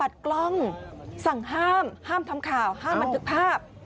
กล้องสั่งห้ามห้ามทำข่าวห้ามบันทึกภาพ